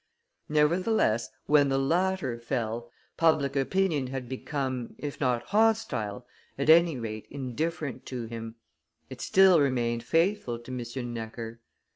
Nevertheless, when the latter fell, public opinion had become, if not hostile, at any rate indifferent to him; it still remained faithful to M. Necker.